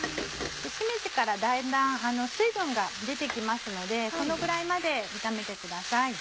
しめじからだんだん水分が出て来ますのでこのぐらいまで炒めてください。